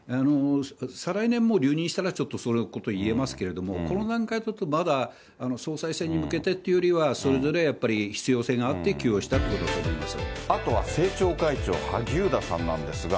再来年も留任したら、ちょっとそのこと言えますけれども、この段階は、ちょっとまだ、総裁選に向けてっていうよりは、それぞれやっぱり必要性があって起用したということだと思います。